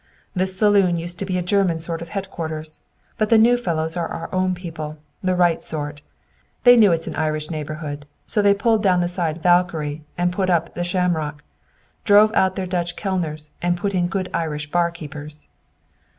"This saloon used to be a German sort of headquarters. But the new fellows are our own people, the right sort. They knew it's an Irish neighborhood. So they pulled down the sign 'Valkyrie,' and put up 'The Shamrock,' drove out their Dutch kellners and put in good Irish barkeepers."